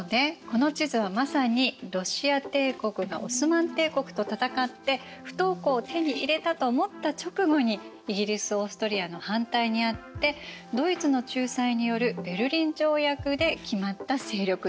この地図はまさにロシア帝国がオスマン帝国と戦って不凍港を手に入れたと思った直後にイギリスオーストリアの反対にあってドイツの仲裁によるベルリン条約で決まった勢力図なの。